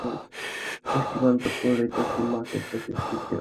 বৃষ্টি বন্ধ হলেই চলতি মাসের শেষের দিকে রাস্তাগুলোর সংস্কারকাজ শুরু হবে।